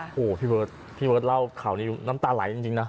โอ้โหพี่เบิร์ดพี่เบิร์ตเล่าข่าวนี้น้ำตาไหลจริงนะ